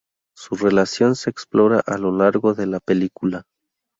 Su relación se explora a lo largo de la película.